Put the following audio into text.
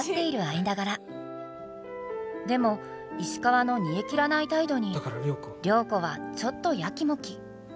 でも石川の煮えきらない態度に良子はちょっとヤキモキ。